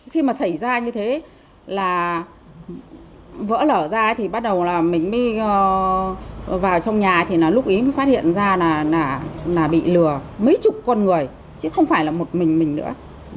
khi mà xảy ra như thế là vỡ lở ra thì bắt đầu là mình mới vào trong nhà thì là lúc ý mới phát hiện ra là bị lừa mấy chục con người chứ không phải là một mình mình nữa